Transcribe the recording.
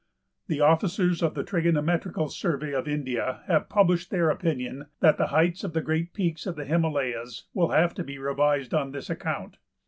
The officers of the Trigonometrical Survey of India have published their opinion that the heights of the great peaks of the Himalayas will have to be revised on this account.